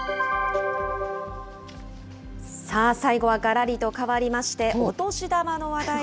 さあ、最後はがらりと変わりまして、お年玉？